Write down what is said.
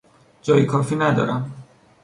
جای کافی ندارم.